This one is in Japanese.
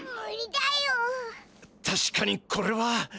たしかにこれは。